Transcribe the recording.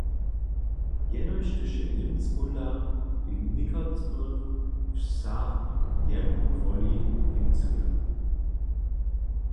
Jenož hdyž je Němc pódla, w někotrych wsach jemu kwoli němcuja.